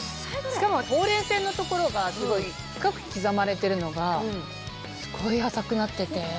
しかもほうれい線の所が深く刻まれてるのがすごい浅くなってて。